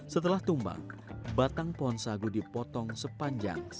setelah tumbang batang pohon sagu dipotongkan dan dikembangkan dengan kaki dan kaki batang sagu yang lainnya